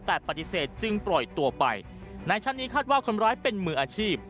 แต่ปฏิเสธจึงปล่อยตัวไปในชั้นนี้คาดว่าคนร้ายเป็นมืออาชีพ